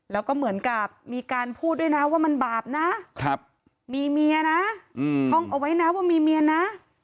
แล้วก็เหมือนกับมีการพูดด้วยนะว่ามันบาปนะมีเมียนะท่องเอาไว้นะว่ามีเมียนะ